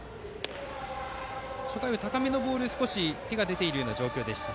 初回は高めのボールに手が出ている状態でした。